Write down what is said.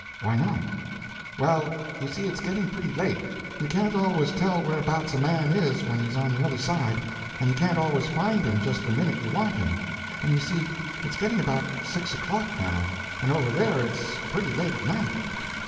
"Why not?" "Well, you see it's getting pretty late. You can't always tell where 'bouts a man is when he's on the other side, and you can't always find him just the minute you want him, and you see it's getting about six o'clock now, and over there it's pretty late at night."